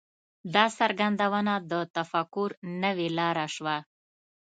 دا څرګندونه د تفکر نوې لاره شوه.